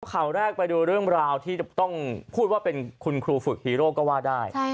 ข่าวแรกไปดูเรื่องราวที่จะต้องพูดว่าเป็นคุณครูฝึกฮีโร่ก็ว่าได้